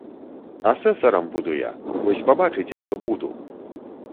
Асэсарам буду я, вось пабачыце, што буду!